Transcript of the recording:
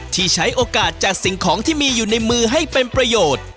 ที่ใช้โอกาสจัดสิ่งของที่มีอยู่ในมือให้เป็นประโยชน์